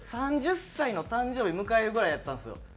３０歳の誕生日迎えるぐらいやったんですよ。